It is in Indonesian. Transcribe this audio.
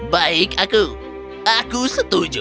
baik aku aku setuju